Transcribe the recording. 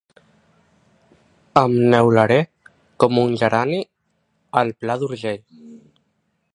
Em neularé com un gerani al Pla d'Urgell.